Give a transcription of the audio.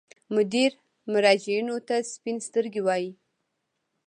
مدیر مراجعینو ته سپین سترګي وایي.